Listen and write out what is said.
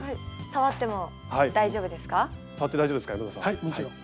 はいもちろん。